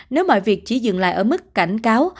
nếu mọi việc chỉ dừng lại ở mức cảnh cáo